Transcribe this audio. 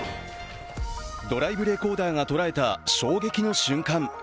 ドライブレコーダーが捉えた衝撃の瞬間。